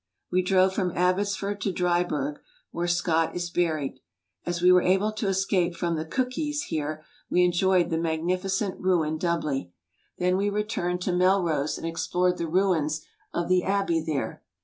We drove from Abbotsford to Dryburgh where Scott is buried. As we were able to escape from the "Cookies" here we enjoyed the magnificent ruin doubly. Then we returned '"'„,. .,Google to Melrose and explored the ruins of the Abbey there.